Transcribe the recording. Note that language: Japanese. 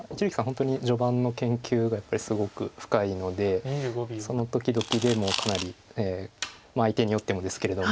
本当に序盤の研究がやっぱりすごく深いのでその時々でかなりまあ相手によってもですけれども。